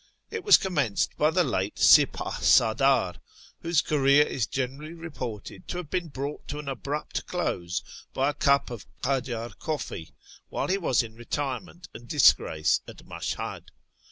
It was commenced by the late Sipdhsaldr, whose career is generally reported to have been brought to an abrupt close by a cup of " Kajar coffee," while he was in retirement and disgrace at Mashhad.